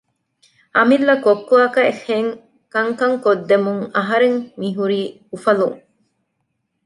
އަމިއްލަ ކޮއްކޮއަކަށްހެން ކަންކަން ކޮށްދެމުން އަހަރެން މިހުރީ އުފަލުން